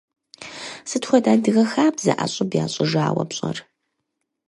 Сыт хуэдэ адыгэ хабзэ ӏэщӏыб ящӏыжауэ пщӏэр?